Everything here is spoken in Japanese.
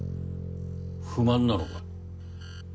不満なのか？